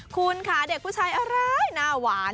คุณค่ะเด็กผู้ชายอะไรหน้าหวาน